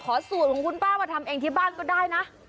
สูตรของคุณป้ามาทำเองที่บ้านก็ได้นะ